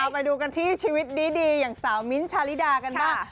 ไปดูกันที่ชีวิตดีอย่างสาวมิ้นท์ชาลิดากันบ้าง